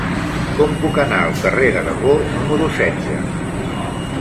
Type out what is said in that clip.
Com puc anar al carrer d'Aragó número setze?